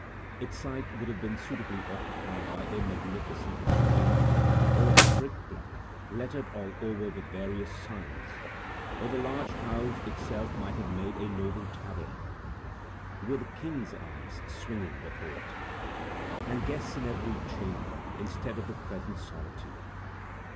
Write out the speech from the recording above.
Its site would have been suitably occupied by a magnificent Exchange, or a brick block, lettered all over with various signs; or the large house itself might have made a noble tavern, with the "King's Arms" swinging before it, and guests in every chamber, instead of the present solitude.